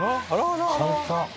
簡単。